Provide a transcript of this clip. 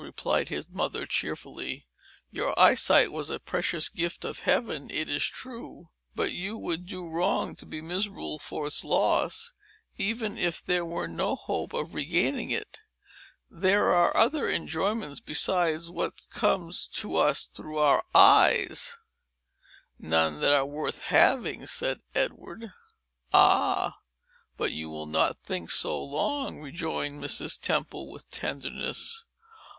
replied his mother, cheerfully. "Your eyesight was a precious gift of Heaven, it is true; but you would do wrong to be miserable for its loss, even if there were no hope of regaining it. There are other enjoyments, besides what come to us through our eyes." "None that are worth having," said Edward. "Ah! but you will not think so long," rejoined Mrs. Temple, with tenderness.